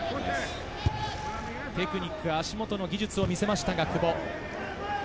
テクニック、足元の技術を見せましたが久保。